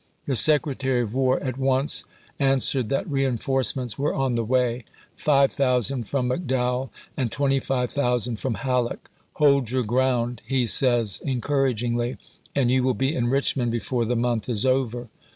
The Secretary of War at once answered that reenforcements were on the way, 5000 from McDowell and 25,000 from Halleck. " Hold your ground," he says encouragingly, " and you will be in Richmond before the month is over."